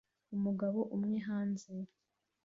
Umugabo umwe hanze